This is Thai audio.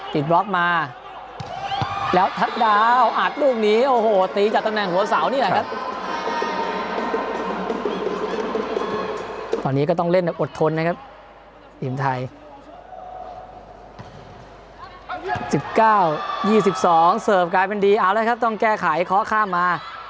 ตอนนี้ก็ต้องเล่นแบบอดทนนะครับฝีมไทย๑๙๒๒เสิร์ฟกลายเป็นดีเอาแล้วครับต้องแก้ไขข้อข้ามมา